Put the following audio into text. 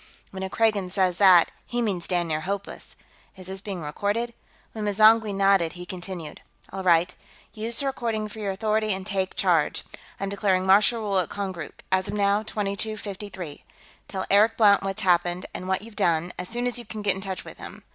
"When a Kragan says that, he means damn near hopeless. Is this being recorded?" When M'zangwe nodded, he continued: "All right. Use the recording for your authority and take charge. I'm declaring martial rule at Konkrook, as of now, 2253. Tell Eric Blount what's happened, and what you've done, as soon as you can get in touch with him.